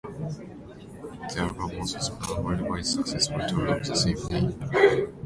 The album also spun a worldwide successful tour of the same name.